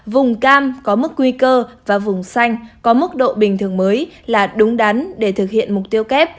vùng cam có mức nguy cơ và vùng xanh có mức độ bình thường mới là đúng đắn để thực hiện mục tiêu kép